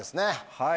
はい。